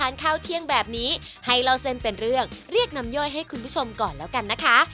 ข้าวเที่ยงแบบนี้ให้เล่าเส้นเป็นเรื่องเรียกนำย่อยให้คุณผู้ชมก่อนแล้วกันนะคะ